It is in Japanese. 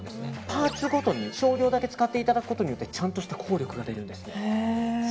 パーツごとに、少量だけ使っていただくことによってちゃんとした効力が出るんです。